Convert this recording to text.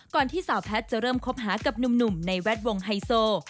ที่สาวแพทย์จะเริ่มคบหากับหนุ่มในแวดวงไฮโซ